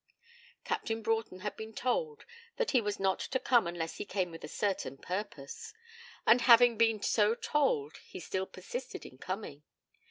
Captain Broughton had been told that he was not to come unless he came with a certain purpose; and having been so told, he still persisted in coming.